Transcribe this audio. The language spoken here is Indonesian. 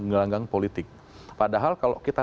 ngelanggang politik padahal kalau kita